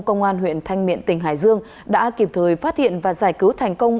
công an huyện thanh miện tỉnh hải dương đã kịp thời phát hiện và giải cứu thành công